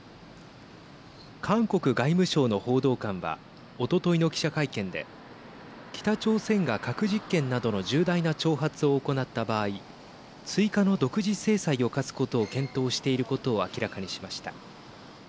韓国外務省の報道官はおとといの記者会見で北朝鮮が核実験などの重大な挑発を行った場合追加の独自制裁を科すことを検討していることを明らかにしました。